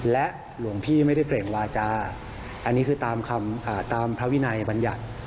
และหลวงพี่ไม่ได้เกร่งวาจาอันนี้คือตามคำตามพระวินัยบัญญัติ